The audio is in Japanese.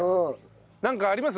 なんかあります？